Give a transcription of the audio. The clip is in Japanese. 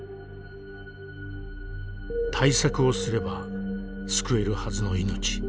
対策をすれば救えるはずの命。